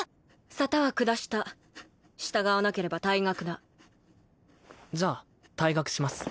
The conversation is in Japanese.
沙汰は下した従わなければ退学だじゃあ退学します